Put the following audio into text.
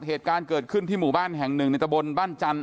เหตุการณ์เกิดขึ้นที่หมู่บ้านแห่งหนึ่งในตะบนบ้านจันท